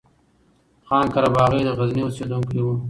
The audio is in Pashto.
خان قرباغی د غزني اوسيدونکی وو